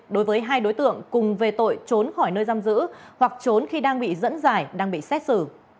đối với hai đối tượng cùng về tội trốn khỏi nơi giam giữ hoặc trốn khi đang bị dẫn giải đang bị xét xử